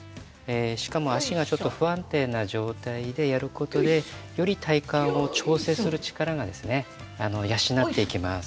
しかも足がちょっと不安定な状態でやることでより体幹を調整する力がですね養っていきます。